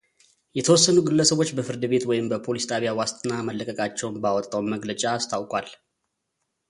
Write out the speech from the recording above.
የተወሰኑ ግለሰቦች በፍርድ ቤት ወይም በፖሊስ ጣቢያ ዋስትና መለቀቃቸውን ባወጣው መግለጫ አስታውቋል።